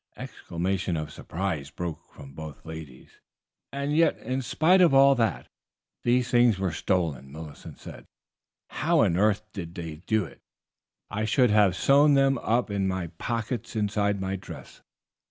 Exclamations of surprise broke from both ladies. "And yet, in spite of all that, these things were stolen," Millicent said. "How on earth did they do it? I should have sewn them up in my pockets inside my dress."